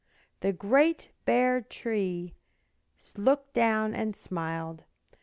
The great bare Tree looked down and smiled.